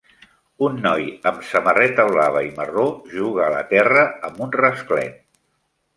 Un noi amb samarreta blava i marró juga a la terra amb un rasclet.